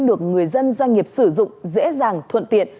được người dân doanh nghiệp sử dụng dễ dàng thuận tiện